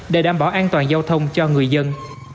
để đảm bảo an toàn giao thông cho người dân